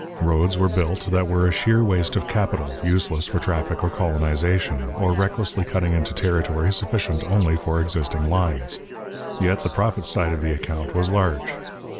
Roads were built that were a sheer waste of capital, useless for traffic or colonization, or recklessly cutting into territory sufficient only for existing lines. Yet the profits side of the account was large.